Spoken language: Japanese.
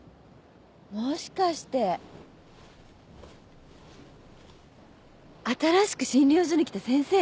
もしかして新しく診療所に来た先生？